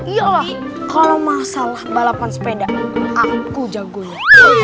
iya kalau masalah balapan sepeda aku jagonya